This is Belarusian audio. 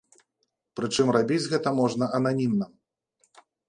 Прычым рабіць гэта можна ананімна.